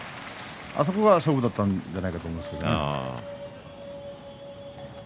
あそこが勝負だったんじゃないかと思います。